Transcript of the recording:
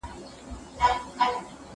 زه بايد ږغ واورم!؟